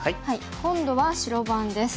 今度は白番です。